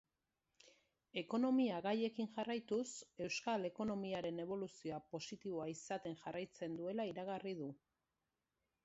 Ekonomia gaiekin jarraituz, euskal ekonomiaren eboluzioa positiboa izaten jarraitzen duela iragarri du.